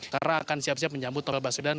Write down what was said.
karena akan siap siap menyambut novel baswedan